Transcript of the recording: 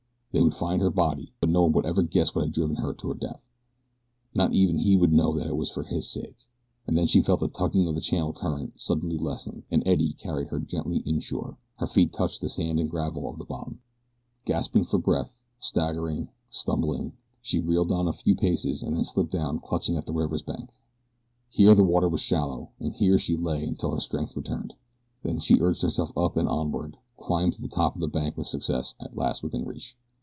They would find her body; but no one would ever guess what had driven her to her death. Not even he would know that it was for his sake. And then she felt the tugging of the channel current suddenly lessen, an eddy carried her gently inshore, her feet touched the sand and gravel of the bottom. Gasping for breath, staggering, stumbling, she reeled on a few paces and then slipped down clutching at the river's bank. Here the water was shallow, and here she lay until her strength returned. Then she urged herself up and onward, climbed to the top of the bank with success at last within reach.